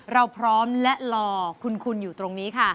เราพร้อมและรอคุณอยู่ตรงนี้ค่ะ